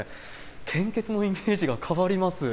献血のイメージが変わります。